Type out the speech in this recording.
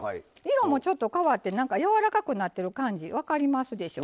色もちょっと変わってなんかやわらかくなってる感じ分かりますでしょう。